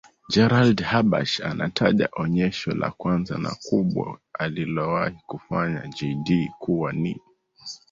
Gerald Habash anataja onyesho la kwanza na kubwa alilowahi kufanya Jay Dee kuwa ni